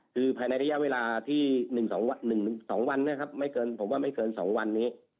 คือภายในระยะเวลาที่๑๒วันนะครับไม่เกินผมว่าไม่เกิน๒วันนี้